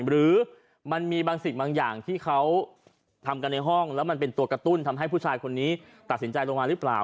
หรือมันมีบางสิ่งบางอย่างที่เขาทำกันในห้องแล้วมันเป็นตัวกระตุ้นทำให้ผู้ชายคนนี้ตัดสินใจลงมาหรือเปล่า